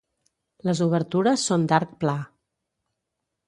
Les obertures són d'arc pla.